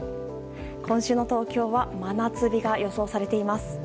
今週の東京は真夏日が予想されています。